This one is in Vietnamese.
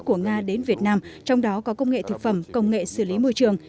của nga đến việt nam trong đó có công nghệ thực phẩm công nghệ xử lý môi trường